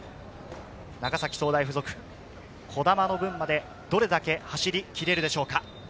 長崎総大附属、児玉の分までどれだけ走り切れるでしょうか。